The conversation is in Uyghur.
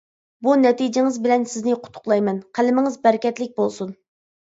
بۇ نەتىجىڭىز بىلەن سىزنى قۇتلۇقلايمەن، قەلىمىڭىز بەرىكەتلىك بولسۇن.